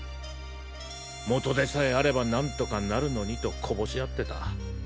元手さえあれば何とかなるのにとこぼし合ってた。